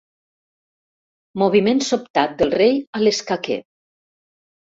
Moviment sobtat del rei a l'escaquer.